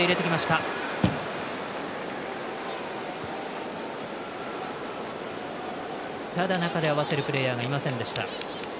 ただ、中で合わせるプレーヤーがいませんでした。